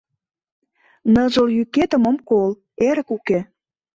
Ныжыл йӱкетым ом кол — Эрык уке.